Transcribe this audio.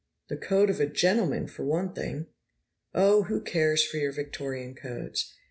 "The code of a gentleman, for one thing!" "Oh, who cares for your Victorian codes!